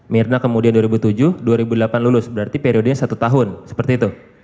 mirna kemudian dua ribu tujuh dua ribu delapan lulus berarti periodenya satu tahun seperti itu